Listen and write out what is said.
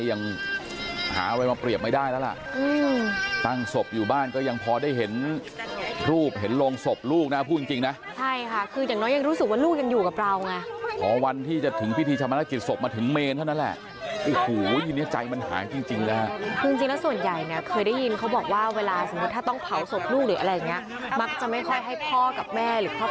สวัสดีสวัสดีสวัสดีสวัสดีสวัสดีสวัสดีสวัสดีสวัสดีสวัสดีสวัสดีสวัสดีสวัสดีสวัสดีสวัสดีสวัสดีสวัสดีสวัสดีสวัสดีสวัสดีสวัสดีสวัสดีสวัสดีสวัสดีสวัสดีสวัสดีสวัสดีสวัสดีสวัสดีสวัสดีสวัสดีสวัสดีสวัส